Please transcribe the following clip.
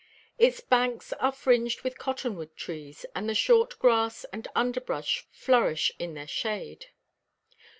Its banks are fringed with cottonwood trees, and the short grass and underbrush flourish in their shade.